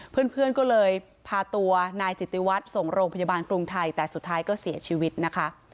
เพื่อนก็เลยพาตัวนายจิตติวัตรส่งโรงพยาบาลกรุงไทยแต่สุดท้ายก็เสียชีวิตนะคะ